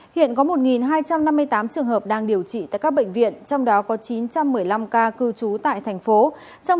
hiện có một hai trăm năm mươi tám trường hợp đang điều trị tại các bệnh viện trong đó có chín trăm một mươi năm ca cư trú tại thành phố